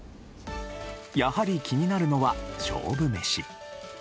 やはり気になるのは勝負メシ。